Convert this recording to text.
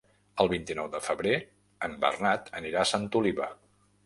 El vint-i-nou de febrer en Bernat anirà a Santa Oliva.